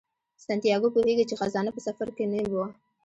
سانتیاګو پوهیږي چې خزانه په سفر کې نه وه.